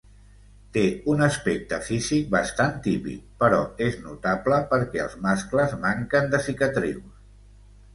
Té un aspecte físic bastant típic, però és notable perquè els mascles manquen de cicatrius.